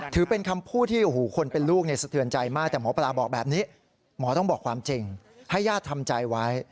แต่หมอปลาบอกแบบนี้หมอต้องบอกความจริงให้ญาติทำใจไว้